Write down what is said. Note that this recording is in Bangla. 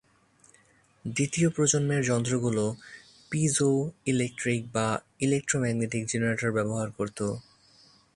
দ্বিতীয় প্রজন্মের যন্ত্রগুলো পিজোইলেকট্রিক বা ইলেক্ট্রোম্যাগনেটিক জেনারেটর ব্যবহার করত।